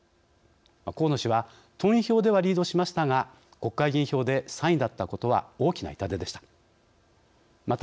河野氏は党員票ではリードしましたが国会議員票で３位だったことは大きな痛手でした。